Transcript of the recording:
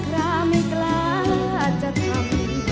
ร้ายขราไม่กล้าจะทำ